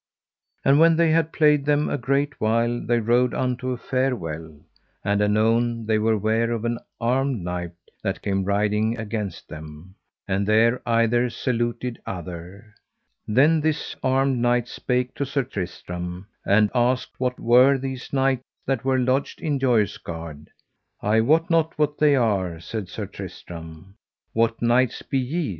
And when they had played them a great while they rode unto a fair well; and anon they were ware of an armed knight that came riding against them, and there either saluted other. Then this armed knight spake to Sir Tristram, and asked what were these knights that were lodged in Joyous Gard. I wot not what they are, said Sir Tristram. What knights be ye?